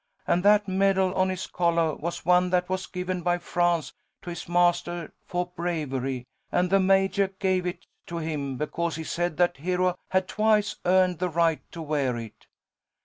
And that medal on his collah was one that was given by France to his mastah fo' bravery, and the Majah gave it to him because he said that Hero had twice earned the right to wear it."